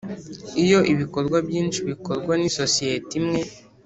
Iyo ibikorwa byinshi bikorwa n isosiyete imwe